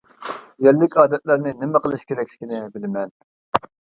يەرلىك ئادەتلەرنى، نېمە قىلىش كېرەكلىكىنى بىلىمەن.